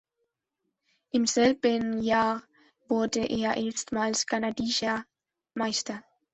Im selben Jahr wurde er erstmals kanadischer Meister.